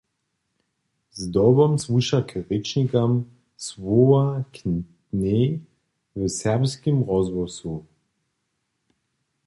Zdobom słuša k rěčnikam Słowa k dnjej w serbskim rozhłosu.